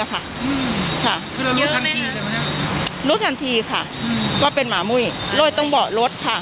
เยอะไหมคะลดกันทีค่ะอืมก็เป็นหมามุ้ยรถต้องเบาะรถค่ะ